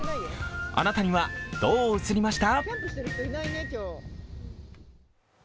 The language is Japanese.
あなたには、どう映りました？